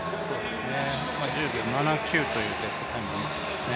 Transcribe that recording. １０秒７９というベストタイムを持っていますね。